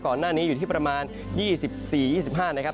ก่อนหน้านี้อยู่ที่ประมาณ๒๔๒๕นะครับ